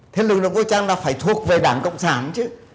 thế lực lượng vũ trang là phải thuộc về đảng cộng sản chứ